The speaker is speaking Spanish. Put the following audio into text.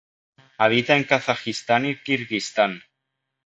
Habita en Kazajistán y Kirguistán.